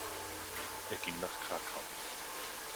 Er ging nach Krakau.